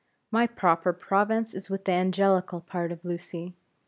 My proper province is with the angelical part of Lucy.